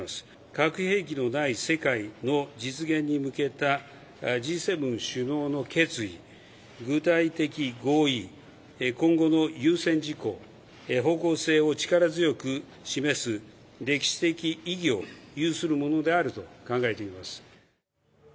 核兵器のない世界の実現に向けたＧ７首脳の決意、具体的合意、今後の優先事項、方向性を力強く示す歴史的意義を有するものであると考えています。